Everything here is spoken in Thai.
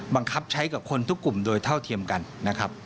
บังคับใช้กับคนทุกกลุ่มโดยเท่าเทียมกันนะครับ